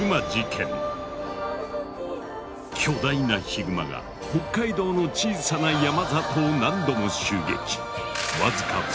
巨大なヒグマが北海道の小さな山里を何度も襲撃。